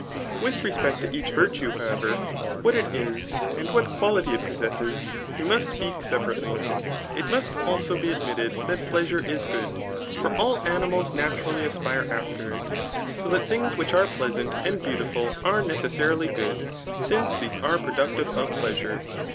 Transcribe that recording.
With re spect to each virtue, however, what it is, and what qua Ucy it possesses, we must speak separately. It must alN^ be admitted that plesisure is good ; for all animals naturally aspire after it ; so that things which are plea sant and beautiful are necessarily good ; since these are productive of pleasure.